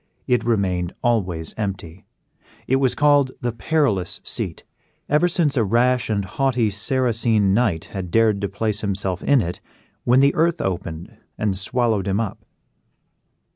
It remained always empty. It was called the PERILOUS SEAT, ever since a rash and haughty Saracen knight had dared to place himself in it, when the earth opened and swallowed him up.